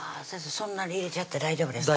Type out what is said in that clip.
そんなに入れちゃって大丈夫ですか？